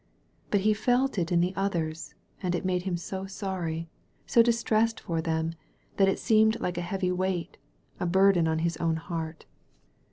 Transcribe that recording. But he felt it in the others, and it made him so sorry, so distressed for them, that it seemed like a heavy weight, a burden on his own heart.